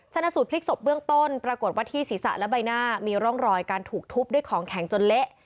ชนะสูตรพลิกศพเบื้องต้นปรากฏว่าที่ศีรษะและใบหน้ามีร่องรอยการถูกทุบด้วยของแข็งจนเละ